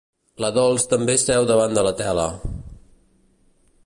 La Dols també seu davant de la tele.